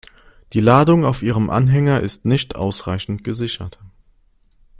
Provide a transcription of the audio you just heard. Die Ladung auf Ihrem Anhänger ist nicht ausreichend gesichert.